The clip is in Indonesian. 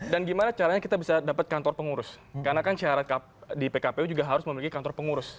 dan gimana caranya kita bisa dapat kantor pengurus karena kan syarat di pkpu juga harus memiliki kantor pengurus